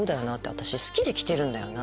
私好きで来てるんだよな。